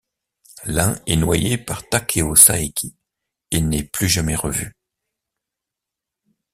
L'un est noyé par Takeo Saeki et n'est plus jamais revu.